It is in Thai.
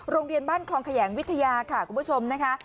โรงเรียนบ้านคลองแขยงวิทยาค่ะคุณผู้ชมนะคะ